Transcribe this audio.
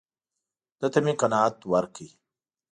ده ته مې قناعت ورکړ.